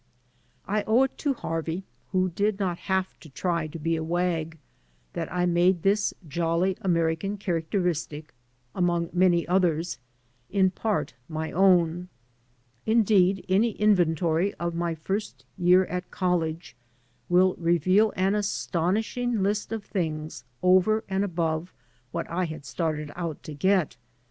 I owe it to Harvey (who did not have to try to be a wag) that I made this jolly American characteristic, among many others, in part my own. Indeed, any inventory of my first year at college will reveal an astonishing list of things over and above what I had started out to get.